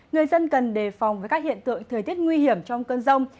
người dân cần đề phòng với các hiện tượng thời tiết nguy hiểm trong cơn rông